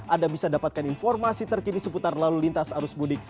anda bisa dapatkan informasi terkini seputar lalu lintas arus mudik